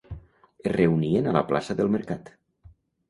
Es reunien a la plaça del mercat.